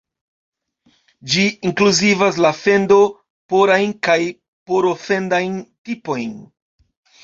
Ĝi inkluzivas la fendo-porajn kaj poro-fendajn tipojn.